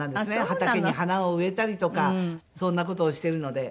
畑に花を植えたりとかそんな事をしてるので。